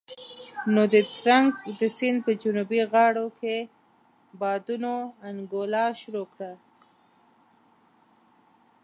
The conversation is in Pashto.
نو د ترنک د سيند په جنوبي غاړو کې بادونو انګولا شروع کړه.